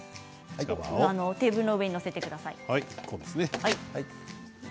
テーブルの上に載せてください。